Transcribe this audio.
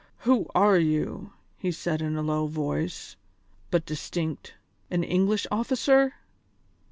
"Who are you?" he said in a low voice, but distinct, "an English officer?"